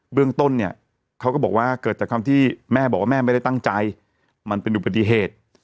เรื่องต้นเนี่ยเขาก็บอกว่าเกิดจากคำที่แม่บอกว่าแม่ไม่ได้ตั้งใจมันเป็นอุบัติเหตุ